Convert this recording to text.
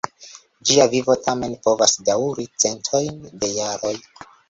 Ĝia vivo tamen povas daŭri centojn da jaroj.